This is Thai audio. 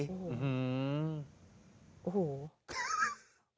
อื้อฮือ